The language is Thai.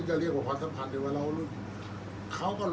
อันไหนที่มันไม่จริงแล้วอาจารย์อยากพูด